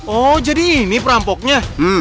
oh jadi ini perampoknya